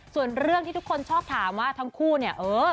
ส่วนเรื่องที่ทุกคนชอบถามว่าทั้งคู่เนี่ยเออ